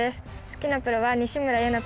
好きなプロは西村優菜